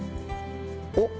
おっ！